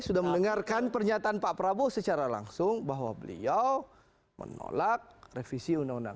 sudah mendengarkan pernyataan pak prabowo secara langsung bahwa beliau menolak revisi undang undang